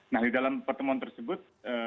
nah di dalam pertemuan tersebut